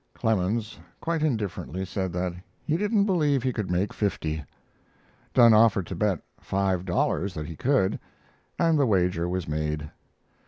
Clemens quite indifferently said that he didn't believe he could make fifty. Dunne offered to bet five dollars that he could, and the wager was made.